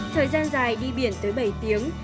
thời gian dài đi biển tới bảy tiếng